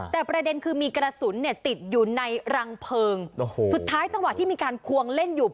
แต่ประเด็นคือมีกระสุนเนี่ยติดอยู่ในรังเพลิงสุดท้ายจังหวะที่มีการควงเล่นอยู่